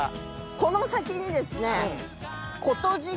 この先にですね。